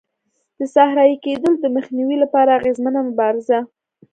د صحرایې کېدلو د مخنیوي لپاره اغېزمنه مبارزه.